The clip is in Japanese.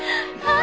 あ！